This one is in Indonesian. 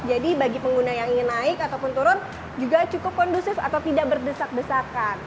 jadi bagi pengguna yang ingin naik ataupun turun juga cukup kondusif atau tidak berdesak besarkan